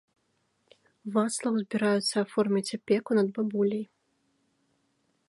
Вацлаў збіраецца аформіць апеку над бабуляй.